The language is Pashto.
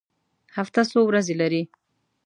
هفته څو ورځې لري؟